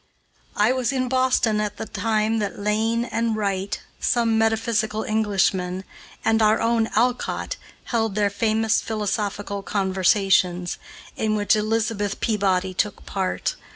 I was in Boston at the time that Lane and Wright, some metaphysical Englishmen, and our own Alcott held their famous philosophical conversations, in which Elizabeth Peabody took part.